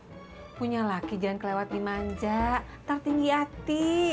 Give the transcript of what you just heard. tat punya laki jangan kelewat dimanja tar tinggi hati